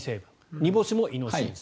煮干しもイノシン酸。